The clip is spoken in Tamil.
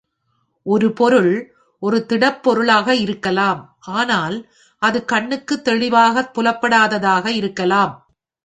ஒரு பொருள் ஒரு திடப் பொருளாக இருக்கலாம், ஆனால் அது கண்ணுக்கு தெளிவாக புலப்படாதாக இருக்கலாம்.